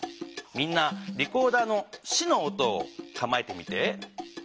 みんなリコーダーの「シ」の音をかまえてみて。